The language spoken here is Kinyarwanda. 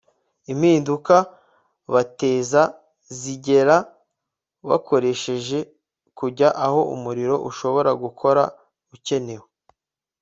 impinduka bateza zigera bakoresheje kujya aho umurimo bashoboye gukora ukenewe